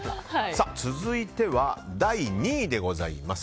続いては第２位でございます。